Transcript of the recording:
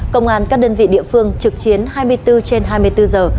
công an các đơn vị địa phương trực chiến hai mươi bốn trên hai mươi bốn giờ